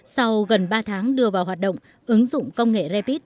sau gần ba tháng đưa vào hoạt động ứng dụng công nghệ rapid